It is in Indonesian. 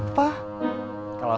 nah beliau royal